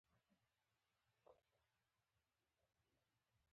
دا ډله په تاریخي توګه ځپل شوې ده.